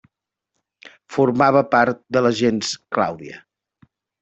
Formava part de la gens Clàudia.